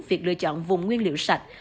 việc lựa chọn vùng nguyên liệu sạch